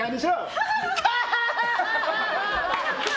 ハハハハ！